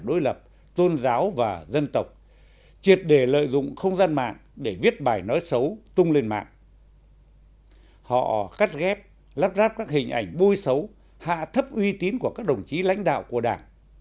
họ là những người triệt để lợi dụng các chiêu bài về tự do dân chủ nhân quyền đa đảng